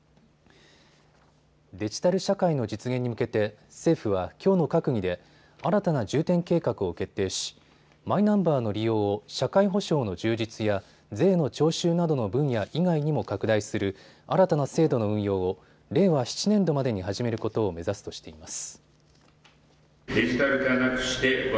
デジタル社会の実現に向けて政府はきょうの閣議で新たな重点計画を決定し、マイナンバーの利用を社会保障の充実や税の徴収などの分野以外にも拡大する新たな制度の運用を令和７年度までに始めることを目指すとしています。